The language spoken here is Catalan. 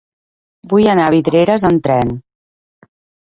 Vull anar a Vidreres amb tren.